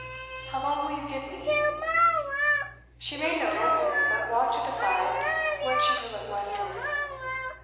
'How long will you give me?' She made no answer, but walked to the side whence she could look westward.